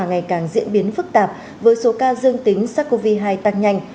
ngày càng diễn biến phức tạp với số ca dương tính sars cov hai tăng nhanh